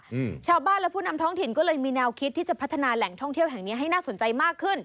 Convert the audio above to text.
อืมชาวบ้านและผู้นำท้องถิ่นก็เลยมีแนวคิดที่จะพัฒนาแหล่งท่องเที่ยวแห่งเนี้ยให้น่าสนใจมากขึ้น